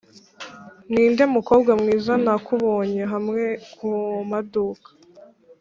ninde mukobwa mwiza nakubonye hamwe kumaduka?